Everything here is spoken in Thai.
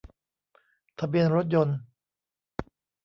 ทะเบียนรถยนต์